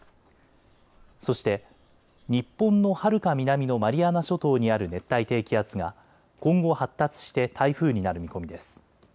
そして、日本のはるか南のマリアナ諸島にある熱帯低気圧が今後、発達して台風になる見込みです。